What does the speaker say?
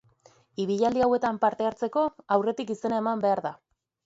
Ibilaldi hauetan parte hartzeko aurretik izena eman behar da.